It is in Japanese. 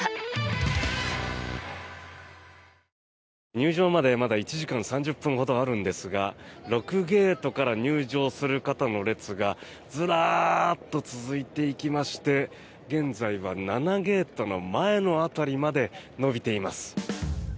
入場までまだ１時間３０分ほどあるんですが６ゲートから入場する方の列がずらっと続いていきまして現在は７ゲートの前の辺りまで延びています。